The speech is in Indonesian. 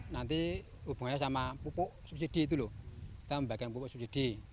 nanti hubungannya sama pupuk subsidi itu loh kita membagikan pupuk subsidi